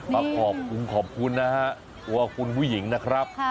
มาขอบคุณนะครับตัวขอบคุณผู้หญิงนะครับ